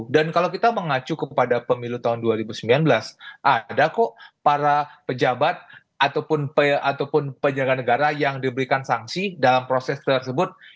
dan kalau kita mengacu kepada pemilu tahun dua ribu sembilan belas ada kok para pejabat ataupun penyelenggaraan negara yang diberikan sanksi dalam proses tersebut